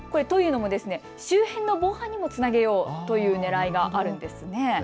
トイレも周辺の防犯につなげようというねらいがあるんです。